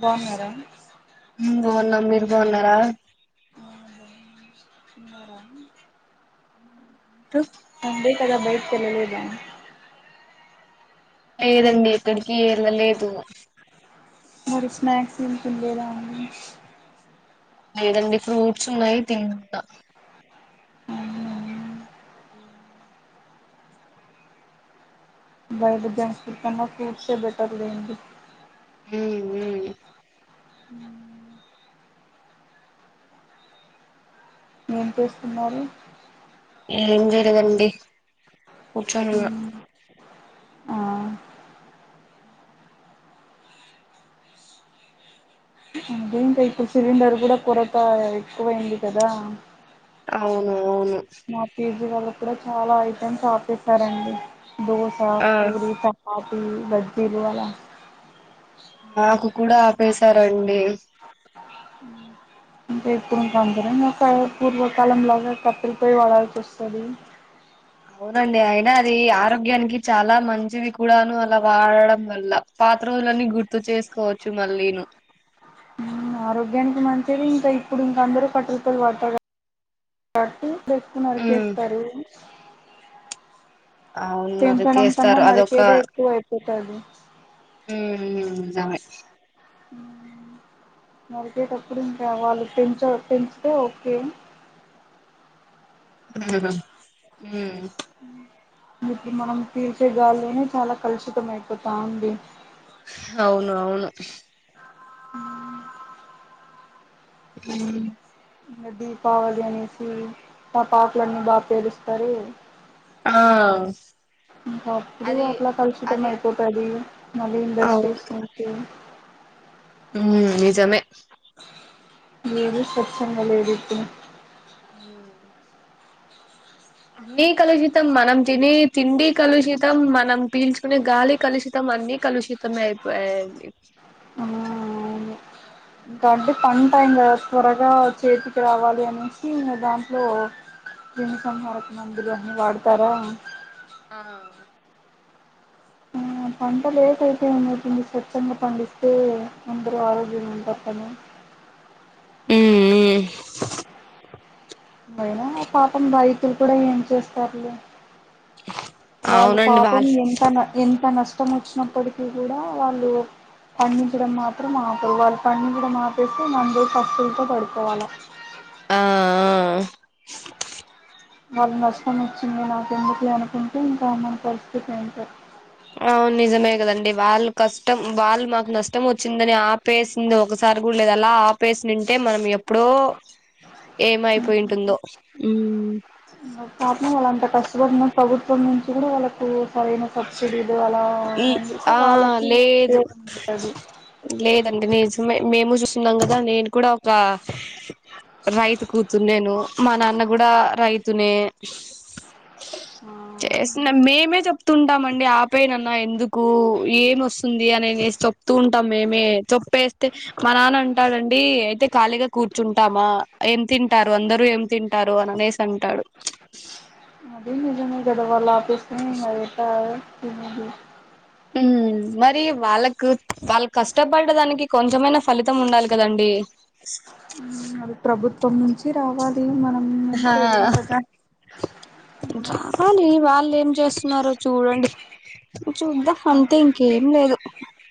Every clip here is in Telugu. బాగున్నారా హ్మ్ బాగున్నం మీరు బాగున్నారా ఆ మరం ట్ సండే కదా బయటికి ఏళ్ళలేదా లేదండి ఏక్కడికి ఏళ్ళ లేదు. మరి స్నాక్స్ ఏం తినలేదా అండి లేదండి ఫ్రూట్స్ ఉన్నాయి తింట బయట జంక్ ఫుడ్స్ కన్నా ఫ్రూట్సె బెటర్ లెండి. హ్మ్ హ్మ్ హ్ ఎం చేస్తున్నారు ఏం చేయలేదండి కూర్చున్న మ్మ్ ఆ అదే ఇంకా ఇప్పుడు సిలిండర్ కూడా కొరత ఎక్కువైంది కదా అవును అవును మ తీ వాళ్ళక్కడ చాలా ఐటమ్స్ ఆపేసారండి దోసా ఆ పూరీ కాఫీ బజ్జీలు అలా నాకు కూడా ఆపేసారండి అంటే ఇప్పుడు అందరం ఒక పూర్వకాలం లాగా కట్టేల పోయి వాడాల్సి వస్తది. అవునండి. అయినా అది ఆరోగ్యానికి చాలా మంచిది కూడాను అలా వాడడం వల్ల పాతరోజులన్నీ గుర్తు చేసుకోవచ్చు మళ్ళీను ఆరోగ్యానికి మంచిది ఇంకా ఇప్పుడు ఇంక అందరూ కట్టెల పోయ్యి వాడతారు. కాబట్టి చెట్టు మ్మ్ నరికేస్తారు. అవును పెంచడం కన్న నరికేస్తారు అదొక నరికేయుడే ఎక్కువ అయిపోతు తది హ్మ్ [unintelligible] నరికేటప్పుడు ఇంకా వాళ్ళు పెంచ పెంచితే ఒకే ఉహు హ్మ్ ఇప్పుడు మనం పీల్చే గాలిలోనూ చాలా కలుషితం అయిపోతా ఉంది. అవునవును మ్ దీపావళి అనేసి టపాకులన్నీ బాగా పేలుస్తారు ఆ ఇంక అప్పుడు అది అట్లా కలుషితం అది అయిపోతాది మళ్ళీ ఇండస్ట్రీస్ అవును నుంచి హ్మ్ నిజమే ఏది స్వచ్చంగ లేదు ఇప్పుడు మ్ అన్నీ కలుషితం మనం తినే తిండి కలుషితం మనం పీల్చుకునే గాలి కలుషితం అన్నీ కలుషితమే అయిపోయాయండి ఆ అవును ఇంకా అంటే పంట టైమ్ కదా త్వరగా చేతికి రావాలి అనేసి దాంట్లో క్రిమి సంహారక మందులు అన్నీ వాడతారా ఆ ఆ పంటలు ఏపైతే ఏమవుతుంది స్వచ్ఛంగా పండిస్తే అందరూ ఆరోగ్యంగా ఉంటారు కదా మ్ మ్ ఆయినా పాపం బాదితులు కూడా ఏం చేస్తారులే వాళ్ళు అవునండి పాపం వాళ్ళు ఎంత న ఎంత నష్టం వచ్చినప్పటికీ కూడా వాళ్ళు పండించడం మాత్రం ఆపరు వాళ్ళు పండించడం ఆపేస్తే మంది పస్తులతో పడుకోవాలి ఆ ఆ వాళ్ళు నష్టం వచ్చింది నాకెందుకులే అనుకుంటే ఇంక మన పరిస్థితి అంతే అవును నిజమే కదండీ వాళ్ళు కష్టం వాళ్ళు మాకు నష్టం వచ్చిందని ఆపేసింది ఒకసారి కూలేదలా అలా ఆపేసిండుంటే మనం ఎప్పుడో ఏమైపోయుంటుందో మ్ పాపం వాళ్ళు అంత కష్టపడినా వృద్ ఎప్పటి నుంచో వాళ్ళకు సరైన సబ్సిడీ అది అలా ఈ అందుకు ఆ వాళ్ళకి ఉపయోగం ఉంటది అండి నిజమే మేము చూస్తున్నాం కదా నేను కూడా ఒక రైతు కూతుర్నేను మా నాన్న కూడా రైతునే ఆ చేసిన మేమే చెప్తుంటామండి ఆ పేయి నాన్న ఎందుకు కు ఏం వస్ తుంది అనినేసి చెప్తూ ఉంటాం. మేమే చెప్పేస్తే మా నాన్న అంటాడండి. అయితే ఖాళీగా కూర్చుంటామా ఏం తింటారు? అందరూ ఏం తింటారు? అని అనేసి అంటాడు. [unintelligible] [unintelligible] ఊహూ హ్మ్ మరి వాళ్ళకు వాళ్ళు కష్టపడ్డ దానికి కొంచెమైనా ఫలితం ఉండాలి కదండి మన ప్రభుత్వం నుంచి రావాలి మన హ బ వాళ్ళ ఏం చేస్తున్నారు చూడండి చూద్దాం అంతే ఇంకేం లేదు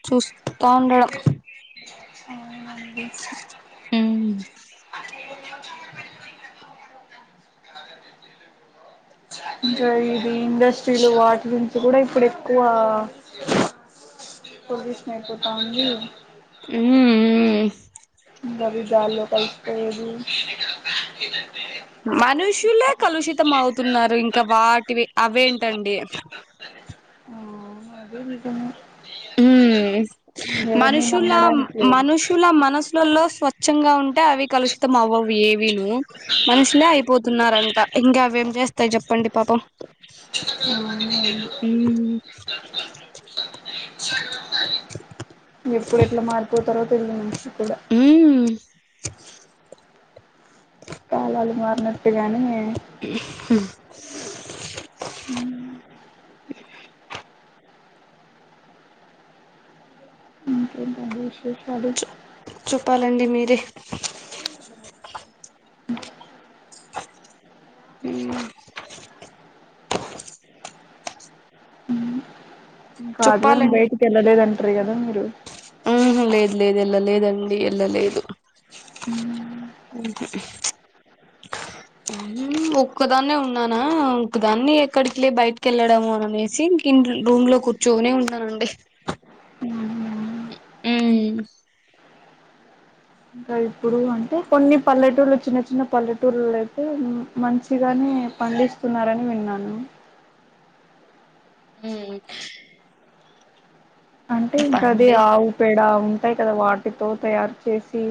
చూస్తా ఉండడం హ్మ్ ఉమ్ [unintelligible] ఇంకా ఇది ఇండస్ట్రీలు వాటి గురించి కూడా ఇప్పుడు ఎక్కువ పొల్యూషన్ అయిపోతా ఉంది హ్మ్ మ్మ్ ఇంక అవి గాల్లో కలిసిపోయేది మనుషులే కలుషితం అవుతున్నారు ఇంకా వాటివి అవేంటండి అది నిజమే హ్మ్ ఎవరిని మనుషులా నమ్మడానికి లేదు మనుషులా మనసు లో లో స్వ స్వచ్చంగా ఉంటే అవి కలుషితం అవ్వవు ఏవ ను మనుషులే అయిపోతున్నారంట ఇంకా అవేం చేస్తాయి చెప్పండి పాపం ఎప్పుడు ఎట్లా మారిపోతారో [unintelligible] నీకుంది ఉమ్ కాలాలు మారినా కానీ ఇంకేంటి విష చెప్పాలండి మీరు త హ్మ్ హ్మ్ ఇంక ఆదివారం చెప్పాలండి బయటికి ఎల్లలేద్ అం అంతేగద మీరు లేద్ లేద్ ఎల్ల లేదండి ఎల్ల లేదు ఉమ్మ్ ఒక్కదాన్నే ఉన్నానా ఒకదాన్ని ఎక్కడికి లే బయటికి వెళ్ళడము అని అనేసి ఇంక ఇం రూమ్ లో కూర్చొనే ఉన్నానండి అవునా హ్మ్ ఇంకా ఇప్పుడు అంటే కొన్ని పల్లెటూర్లు చిన్న చిన్న పల్లెటూర్లయితే ఉమ్ మంచిగానే పండిస్తున్నారని విన్నాను హ్మ్ అంటే ఇంక అది ఆవు పేడవు అంతే కదా వాటితో తయారు చేసి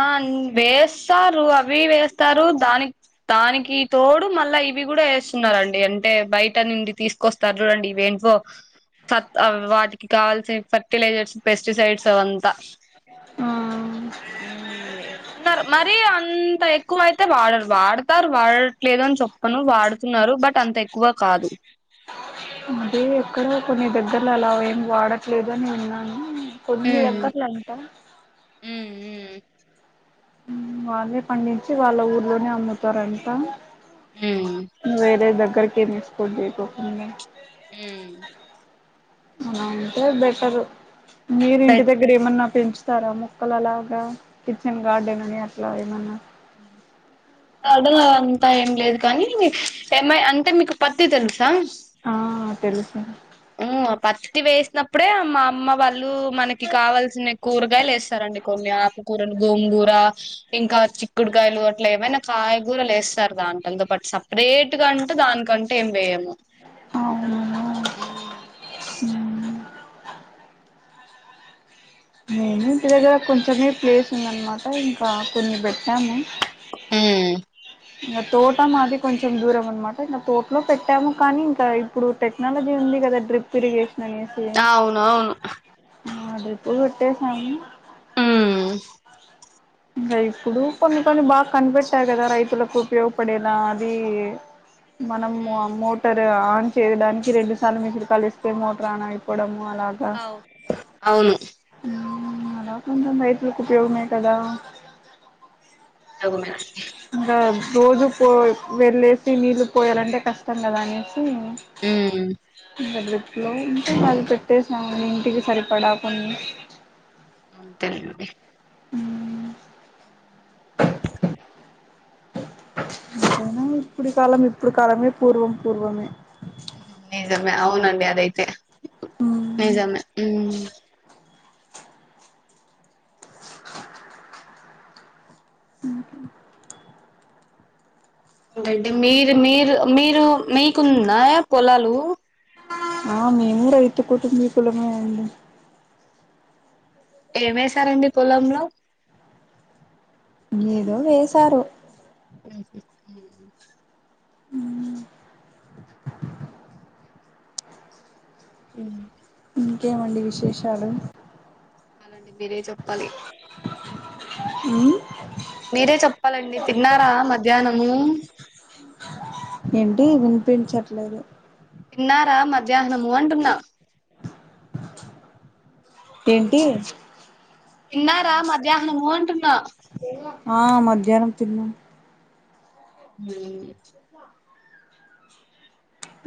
ఆహ్ వేస్తారు అవీ వేస్తారు. దానిక్ దానికి తోడు మళ్ళా ఇవి కూడా వేస్తున్నారండి అంటే బయట నిండి తీసుకొస్తారు చూడండి ఇవి ఏంటివో ఫట్ వాటికి కావాల్సిన ఫర్టిలైజర్స్ పెస్టిసైడ్స్ అవంతా ఆ హ్మ్ వేస్తున్నారు మరి అంతా ఎక్కువ అయితే వాడరు వాడతారు వాడట్లేదు అని చొప్పను వాడుతున్నారు బట్ అంత ఎక్కువ కాదు అదే ఎక్కడ కొన్ని దగ్గర్ల అలా ఏం వాడట్లేదని విన్నాను. కొన్ని దగ్గర్లలంట మ్మ్ హ్మ్ వాళ్ళే పండించి వాళ్ళ ఊర్లోనే అమ్ముతారంటా వేరే దగ్గరి ఏమి [unintelligible] రేపు ఉంది హ్మ్ అలా అంటే బెటరు మీరు ఇంటి దగ్గర ఏమన్న పెంచుతారా మక్కలు అలాగా కిచెన్ గార్డెన్ అని అట్లా ఏమన్న [unintelligible] అంతా ఏం లేదు కానీ ఏమీ అంటే మీకు పత్తి తెలుసా. ఆహ్ తెల్సు మ్మ్ పత్తి వేసినప్పుడే మా అమ్మ వాళ్ ళు మనకి కావాల్సిన కూరగాయలు యేస్తారండి కొన్ని ఆకుకూరలు గోంగూర ఇంకా చిక్కుడుగాయలు అట్లా ఏవైన కాయగూరలెస్ టరు దానికంటే బట్ సప్రేట్ గా అంటూ దానికంటే ఏం వేయము మ్మ్ నేను ఇంటి దగ్గర కొంచెమే ప్లేస్ ఉందన్మాట ఇంకా కొన్ని బెట్నాము హ్మ్ ఇంగ తోట మాది కొంచెం దూరం అన్మాట ఇంకా తోట్లో పెట్టాము, కానీ ఇంకా ఇప్పుడు టెక్నాలజీ ఉంది కదా డ్రిప్ ఇరిగేష్. దాన్ని ఏసి అవునవును ఆ డ్రిప్ వెట్ చేసాము ఉమ్ ఇంకా ఇప్పుడు కొన్ని కొన్ని బాగా కనిపెట్టాయి కదా రైతులకు ఉపయోగపడేలా అదీ మనం మోటర్ ఆన్ చేయడానికి రెండు సార్లు మిస్డ్ కాల్ ఇస్తే మోటర్ ఆన్ అయిపోవడం అలాగా అవు అవును నడవకుండా బైక్ ఉంటే ఉపయోగమే కదా అవునా బాద్ రోజు పో వెళ్ళేసి నీళ్ళు పోయాలంటే కష్టం కదా అనేసి ఉమ్ హూ లో ఇంకా పది పెట్టేసాము ఇంటికి సరిపడా కొన్ని అంతేనండి ఎంతైనా ఇప్పుడి కాలం ఇప్పుడు కాలమే పూర్వం పూర్వమే నిజమే అవునండి అదైతే నిజమే హూ ఉహుమ్ ఏంటంటే మీరు మీరు మీరు మీ కున్నదా పొలాలు ఆ మేము రైతు కుటుంబీకులమే అండి ఏమేశసారండి పొలంలో ఏదో వేశారు హుమ్ ఊమ్ ఉమ్ ఇంకేమండి విశేషాలు చెప్పాలండి మీరే చెప్పాలి ఉమ్ మీరే చెప్పాలండి తిన్నారా మధ్యాహ్నము ఏంటి వినిపించట్లేదు తిన్నారా మధ్యాహ్నము అంటున్నా ఏంటి తిన్నార మధ్యాహ్నము అంటున్న ఆ మధ్యాహ్నం తిన్నాం ఉమ్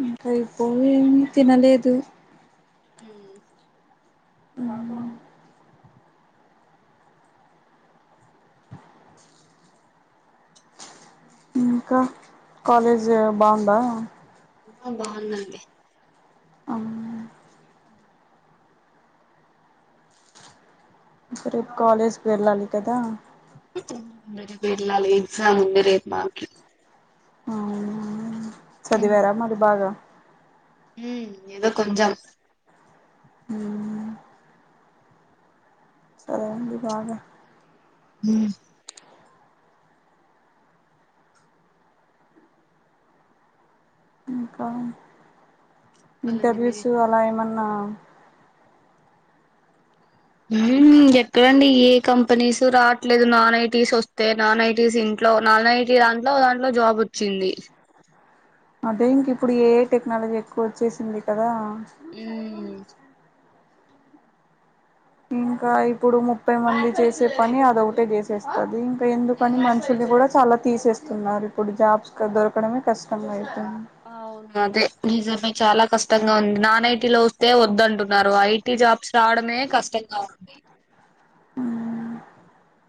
ఇంకా అయిపోలేం తినలేదు ఉమ్ ఆమ్ ఇంకా కాలేజ్ బాగుందా ఆ బాగుంది అండీ అవునా అయితే రేపు కాలేజ్కి వెళ్ళాలి కదా రేపు వెళ్ళాలి ఎక్సామ్ ఉంది రేపు మాకు అవునా చదివారా మరి బాగా హుమ్ ఏదో కొంచెం హుమ్ ఉండి బాగా హుమ్ ఇంకా చెప్పాలండి మీరే ఇంటర్వ్యూస్ అలా ఏమన్నా ఆ ఉమ్ ఎక్కడండి ఏ కంపెనీస్ రావట్లేదు నాన్ ఐటీస్ వస్తే నాన్ ఐటీస్ ఇంట్లో నాన్ ఐటీ దాంట్లో ఒకదంట్లో జాబ్ వచ్చింది అదే ఇంకిప్పుడు ఏ ఎ టెక్నాలజీ ఎక్కువచ్చేసింది కదా మ్మ్ ఇంకా ఇప్పుడు ముప్పై మంది చేసే పని అదొకటే చేసేస్తాది ఎందుకని ఎస్ మనుషుల్ని గుడా చాలా తీసేస్తున్నారు ఇప్పుడు జాబ్స్ దొరకడమే కష్టం అవి అయితుంది అవును అదే నిజమై చాలా కష్టంగా ఉంది నాన్ ఐటీ లో వస్తే వదుంటున్నారు ఐటీ జాబ్స్ రావడమే కష్టం ంగా ఉంది అ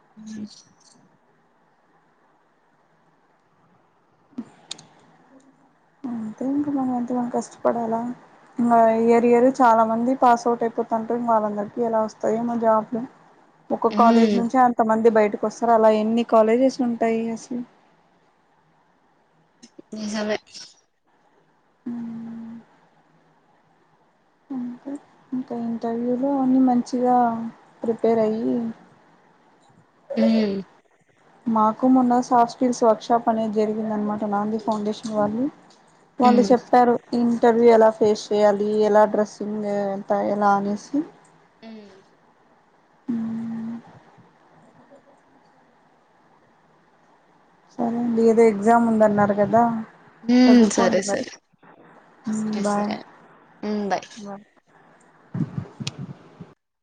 అ అంతే ఇంకా మనం ఎంత మంది కష్టపడాలా ఇంకా ఎరియర్ చాలా మంది పాస్ అవుట్ అయిపోతుంటారు ఇంకా వాళ్ళందరికీ ఎలా వస్తాయో ఏమో జాబ్లు ఒక కాలేజ్ మ్మ్ నుంచి అంత మంది బయట ఇకిొస్తారు అలా ఎన్ని కాలేజెస్ ఉంటాయి అసలు నిజమే ఉ అంతే ఇంకా ఇంటర్వ్యూలో అన్నిీ మంచిగా ప్రిపేర్ అయ్యి హ మాకు మొన్న సాఫ్ట్ స్విల్స్ వర్క్షషాప్ అనేది జరిగిందనమాట నాంది ఫౌండేషన్ వాళ్ళు వాళ్ళు మ్మ్ చెప్పారు ఇంటర్వ్యూ ఎలా ఫేస్ చేయాలి ఎలా డ్రెస్సింగ్ ఎంత ఎలా అనేసి ఉ ఉ సరే అండి ఏదో ఎగ్జామ్ ఉందన్నారు కదా సరే చదువుకోండి మరి సరే సరే బాయ్ సరే బాయ్ [unintelligible]